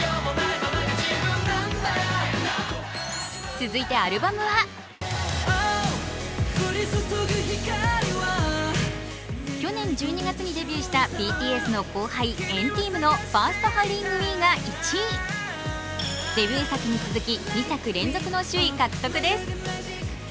続いてアルバムは去年１２月にデビューしたＢＴＳの後輩、＆ＴＥＡＭの「ＦｉｒｓｔＨｏｗｌｉｎｇ：ＷＥ」が１位。デビュー作に続き２作連続の首位獲得です。